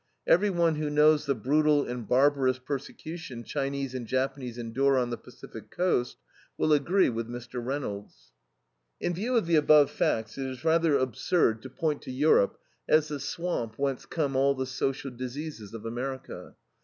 Every one who knows the brutal and barbarous persecution Chinese and Japanese endure on the Pacific Coast, will agree with Mr. Reynolds. In view of the above facts it is rather absurd to point to Europe as the swamp whence come all the social diseases of America.